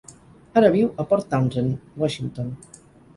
Ara viu a Port Townsend, Washington.